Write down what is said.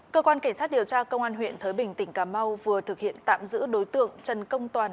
cơ quan cảnh sát điều tra công an huyện thới bình tỉnh cà mau vừa thực hiện tạm giữ đối tượng trần công toàn